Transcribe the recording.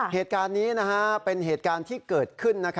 เหตุการณ์นี้เป็นเหตุการณ์ที่เกิดขึ้น